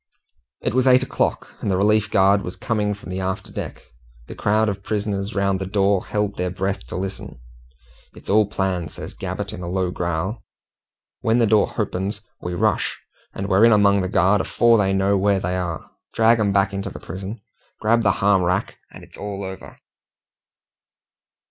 It was eight o'clock and the relief guard was coming from the after deck. The crowd of prisoners round the door held their breath to listen. "It's all planned," says Gabbett, in a low growl. "W'en the door h'opens we rush, and we're in among the guard afore they know where they are. Drag 'em back into the prison, grab the h'arm rack, and it's all over."